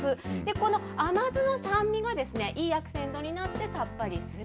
この甘酢の酸味がいいアクセントになって、さっぱりする。